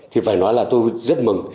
thì phải nói là tôi rất mừng